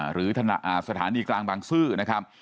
หรือสถานีกลางบางซื่อนะครับ